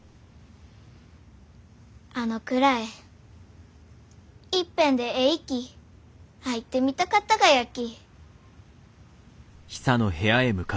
あの蔵へいっぺんでえいき入ってみたかったがやき。